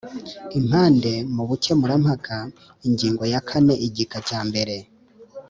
impande mu bukemurampaka ingingo ya kane igika cya mbere